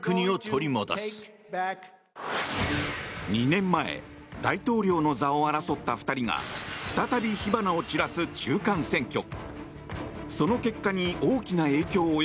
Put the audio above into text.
２年前大統領の座を争った２人が再び火花を散らす中間選挙。